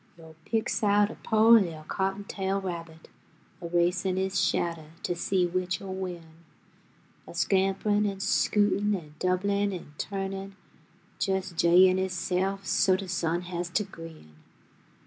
Yo' picks out a po' li'l' cottontail rabbit, A racin' his shadduh to see which'll win, A scamprin' an' scootin' an' doublin' an' turnin', Jes' 'j'yin' hisself so de sun has t' grin.